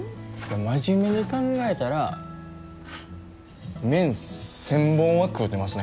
真面目に考えたら麺１０００本は食うてますね。